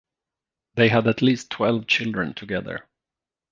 They had at least twelve children together.